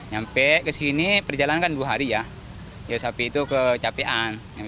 sampai ke sini perjalanan kan dua hari ya sapi itu kecapean